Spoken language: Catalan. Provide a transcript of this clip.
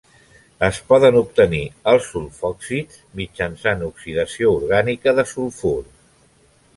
Es poden obtenir els sulfòxids mitjançant oxidació orgànica de sulfurs.